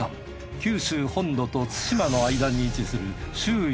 九州本土と対馬の間に位置する周囲